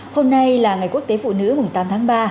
hôm nay là ngày quốc tế phụ nữ tám tháng ba